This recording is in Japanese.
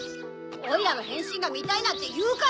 オイラのへんしんがみたいなんていうから！